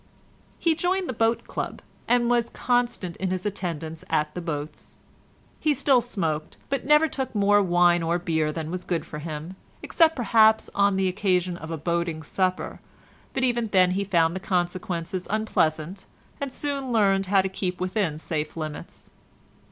He joined the boat club, and was constant in his attendance at the boats. He still smoked, but never took more wine or beer than was good for him, except perhaps on the occasion of a boating supper, but even then he found the consequences unpleasant, and soon learned how to keep within safe limits.